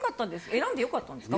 選んで良かったんですか？